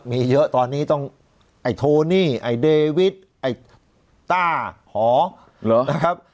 มีเยอะตอนนี้ต้องไอ้โทนี่ไอ้เดวิทไอ้ต้าหอเหรอนะครับ